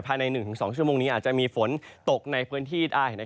ภายใน๑๒ชั่วโมงนี้อาจจะมีฝนตกในพื้นที่ได้